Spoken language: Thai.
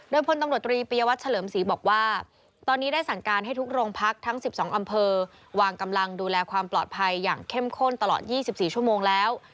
โดยพลตำรวจตรีปียวัตรเฉลิมศรีบอกว่าตอนนี้ได้สั่งการให้ทุกโรงพักทั้ง๑๒อำเภอวางกำลังดูแลความปลอดภัยอย่างเข้มข้นตลอด๒๔ชั่วโมงแล้ว